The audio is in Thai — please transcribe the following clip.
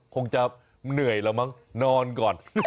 คงจะเหนื่อยแล้วมั้งนอนก่อน